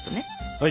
はい。